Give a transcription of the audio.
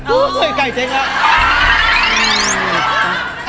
โอ้เฮ้ยใกล้เจ๊ละ